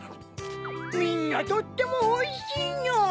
みんなとってもおいしいニャ！